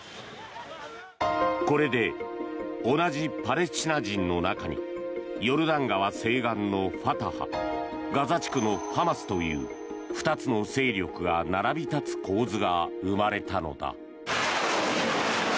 これで同じパレスチナ人の中にヨルダン川西岸のファタハガザ地区のハマスという２つの勢力が並び立つ構図が生まれたのだ。